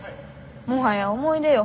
もはや思い出よ